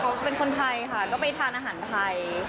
เขาเป็นคนไทยค่ะก็ไปทานอาหารไทย